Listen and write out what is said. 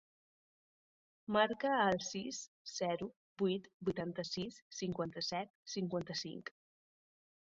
Marca el sis, zero, vuit, vuitanta-sis, cinquanta-set, cinquanta-cinc.